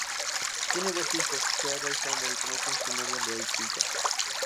Tiene dos hijos, Chiara y Sandro, con su novia Laetitia.